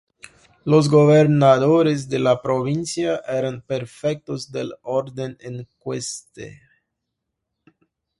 Los gobernadores de la provincia eran prefectos del orden ecuestre.